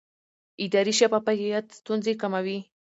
اداري شفافیت ستونزې کموي